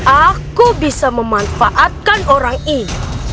aku bisa memanfaatkan orang ini